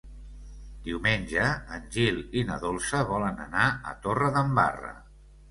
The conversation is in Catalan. Diumenge en Gil i na Dolça volen anar a Torredembarra.